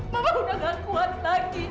mama udah gak kuat